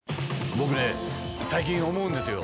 僕ね最近思うんですよ。